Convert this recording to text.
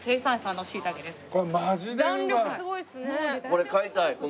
これ買いたい。